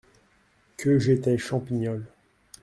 Que j’étais Champignol !